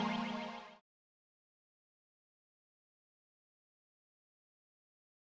kalian atau kamu